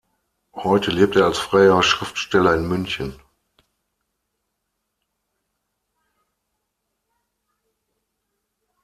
Heute lebt er als freier Schriftsteller in München.